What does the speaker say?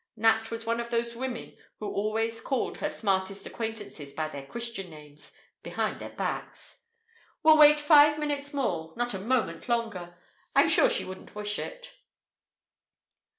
(Nat was one of those women who always called her smartest acquaintances by their Christian names behind their backs.) "We'll wait five minutes more not a moment longer. I'm sure she wouldn't wish it."